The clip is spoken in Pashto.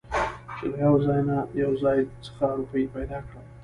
چې له يوه ځاى نه يو ځاى خڅه روپۍ پېدا کړم .